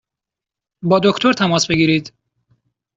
با دکتر تماس بگیرید!